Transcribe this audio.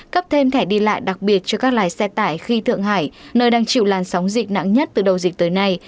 cấp thêm thẻ đi lại đặc biệt cho các lái xe tải khi thượng hải nơi đang chịu làn sóng dịch nặng nhất từ đầu dịch tới nay